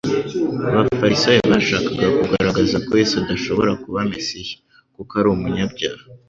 Abafarisayo bashakaga kugaragaza ko Yesu adashobora kuba Mesiya, kuko ari umunyabyaha.